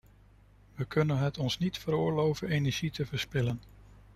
We kunnen het ons niet veroorloven energie te verspillen.